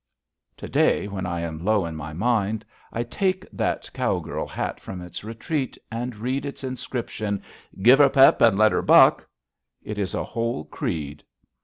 To day, when I am low in my mind, I take that cowgirl hat from its retreat and read its inscription: "Give 'er pep and let 'er buck." It is a whole creed.